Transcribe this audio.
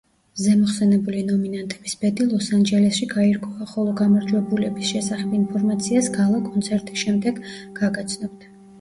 ზემოხსენებული ნომინანტების ბედი ლოს-ანჯელესში გაირკვევა, ხოლო გამარჯვებულების შესახებ ინფორმაციას გალა კონცერტი შემდეგ გაგაცნობთ.